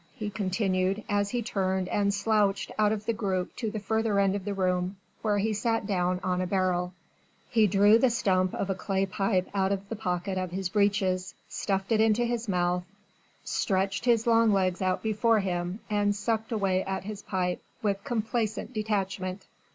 he continued as he turned and slouched out of the group to the further end of the room, where he sat down on a barrel. He drew the stump of a clay pipe out of the pocket of his breeches, stuffed it into his mouth, stretched his long legs out before him and sucked away at his pipe with complacent detachment.